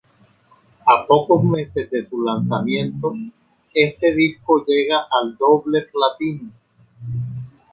A pocos meses de su lanzamiento, este disco llega al doble platino.